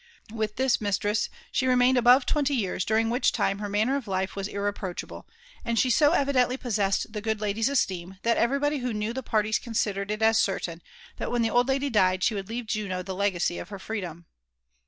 With this mistress she re maided above twenty years, during which time her manner of life was irreproachable ; and she so evidently possessed the good lady> esteem» that everybody who knew the parties considered it as certain, that when the old lady died, she would leave Juno the legacy of her free dom.